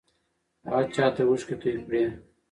هغه چا ته اوښکې توې کړې؟